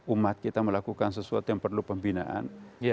umat kita melakukan sesuatu yang perlu pembinaan